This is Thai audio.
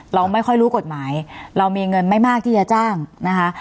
เราไม่ค่อยรู้กฎหมายเรามีเงินไม่มากที่จะจ้างนะคะ